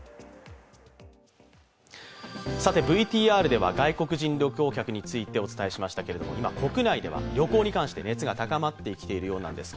ＶＴＲでは外国人旅行客についてお伝えしましたが、今、国内では旅行に関して熱が高まってきているようなんです。